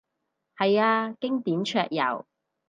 係啊，經典桌遊